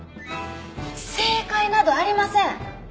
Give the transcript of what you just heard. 正解などありません。